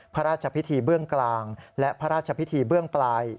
พระราชพิธีเบื้องกลางและพระราชพิธีเบื้องปลาย